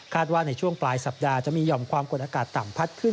ว่าในช่วงปลายสัปดาห์จะมีห่อมความกดอากาศต่ำพัดขึ้น